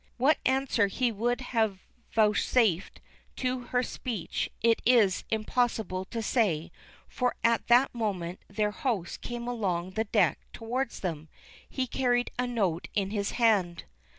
What answer he would have vouchsafed to her speech it is impossible to say for at that moment their host came along the deck towards them. He carried a note in his hand.